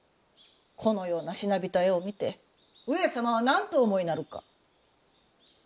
このようなしなびた絵を見て上様はなんとお思いになるか。